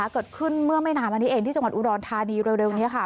เกิดขึ้นเมื่อไม่นานมานี้เองที่จังหวัดอุดรธานีเร็วนี้ค่ะ